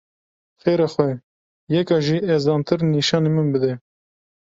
Xêra xwe, yeka jê ezantir nîşanî min bide.